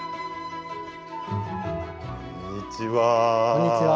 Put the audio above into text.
こんにちは。